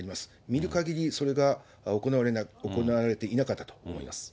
見るかぎり、それが行われていなかったと思います。